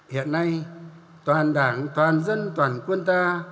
hiện nay toàn đảng toàn dân toàn quân ta